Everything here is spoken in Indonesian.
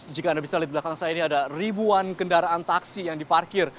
jika anda bisa lihat di belakang saya ini ada ribuan kendaraan taksi yang diparkir